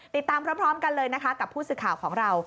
ติดตามพร้อมกันเลยนะคะกับผู้สื่อข่าวของเรา